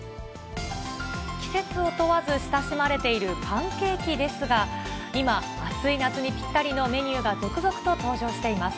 季節を問わず親しまれているパンケーキですが、今、暑い夏にぴったりのメニューが続々と登場しています。